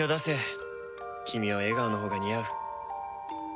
君は笑顔のほうが似合う。